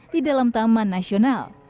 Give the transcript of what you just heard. di dalam taman nasional